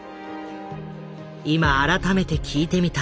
今改めて聞いてみた。